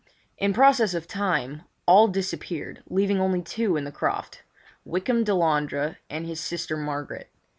In process of time all disappeared, leaving only two in the Croft, Wykham Delandre and his sister Margaret.